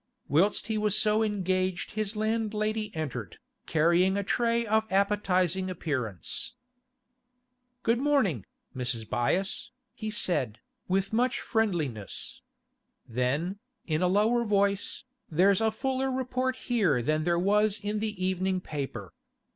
Whilst he was so engaged his landlady entered, carrying a tray of appetising appearance. 'Good morning, Mrs. Byass,' he said, with much friendliness. Then, in a lower voice, 'There's a fuller report here than there was in the evening paper.